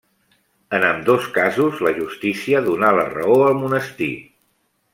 En ambdós casos la justícia donà la raó al monestir.